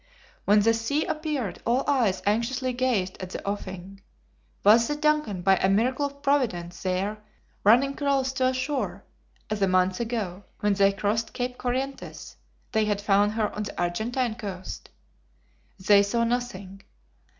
When the sea appeared, all eyes anxiously gazed at the offing. Was the DUNCAN, by a miracle of Providence, there running close to the shore, as a month ago, when they crossed Cape Corrientes, they had found her on the Argentine coast? They saw nothing.